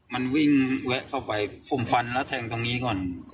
มันวิ่งแวะเข้าไปผมฟันแล้วแทงตรงนี้ก่อน